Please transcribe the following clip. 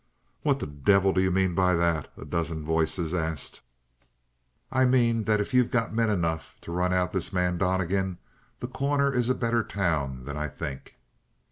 "What the devil do you mean by that?" a dozen voices asked. "I mean, that if you got men enough to run out this man Donnegan, The Corner is a better town than I think."